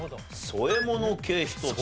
添え物系１つ。